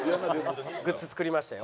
グッズ作りましたよ。